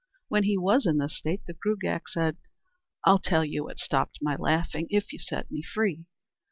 When he was in this state the Gruagach said: "I'll tell you what stopped my laughing if you set me free."